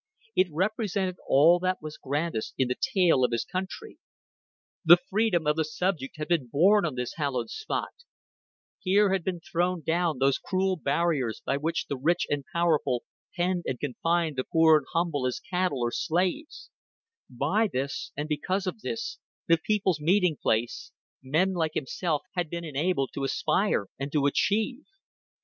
It represented all that was grandest in the tale of his country. The freedom of the subject had been born on this hallowed spot; here had been thrown down those cruel barriers by which the rich and powerful penned and confined the poor and humble as cattle or slaves; by this and because of this, the people's meeting place, men like himself had been enabled to aspire and to achieve.